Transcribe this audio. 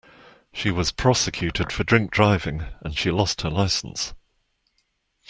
She was prosecuted for drink-driving, and she lost her licence